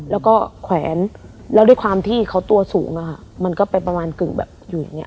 แล้วก็แขวนแล้วด้วยความที่เขาตัวสูงอะค่ะมันก็ไปประมาณกึ่งแบบอยู่อย่างเง